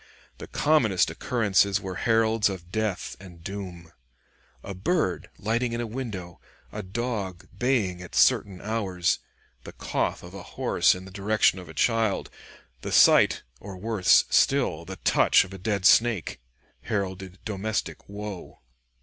The commonest occurrences were heralds of death and doom. A bird lighting in a window, a dog baying at certain hours, the cough of a horse in the direction of a child, the sight, or worse still, the touch of a dead snake, heralded domestic woe.